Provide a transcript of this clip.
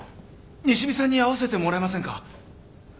西見さんに会わせてもらえませんか？